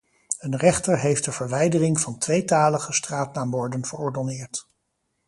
Een rechter heeft de verwijdering van tweetalige straatnaamborden verordonneerd.